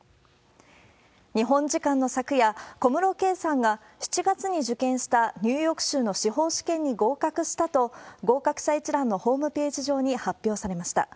日本時間の昨夜、小室圭さんが７月に受験したニューヨーク州の司法試験に合格したと、合格者一覧のホームページ上に発表されました。